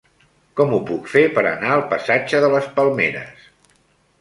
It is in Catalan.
Com ho puc fer per anar al passatge de les Palmeres?